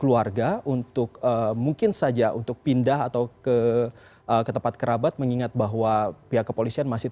keluarga untuk mungkin saja untuk pindah atau ke tempat kerabat mengingat bahwa pihak kepolisian masih